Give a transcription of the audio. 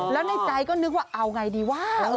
แล้วในใจก็นึกว่าเอาไงดีวะ